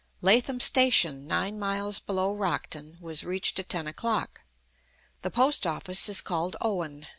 Latham Station, nine miles below Rockton, was reached at ten o'clock. The post office is called Owen.